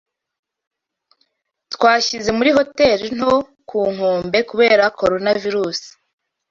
Twashyize muri hoteri nto ku nkombe , kubera corona virus